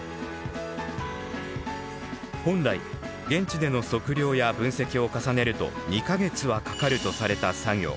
本来現地での測量や分析を重ねると２か月はかかるとされた作業。